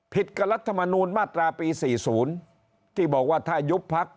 กับรัฐมนูลมาตราปี๔๐ที่บอกว่าถ้ายุบพัก